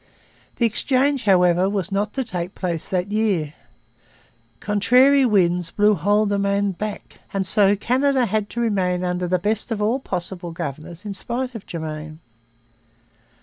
The exchange, however, was not to take place that year. Contrary winds blew Haldimand back; and so Canada had to remain under the best of all possible governors in spite of Germain.